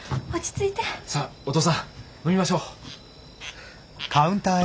さあお義父さん飲みましょう。